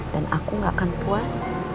dan aku gak akan puas